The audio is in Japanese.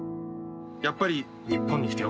やっぱり日本に来てよかった。